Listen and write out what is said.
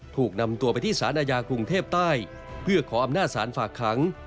ถูกนำตัวไปที่สารอาญากรุงเทพใต้เพื่อขออำนาจศาลฝากขัง